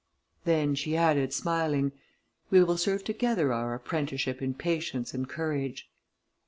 Then she added, smiling, "We will serve together our apprenticeship in patience and courage."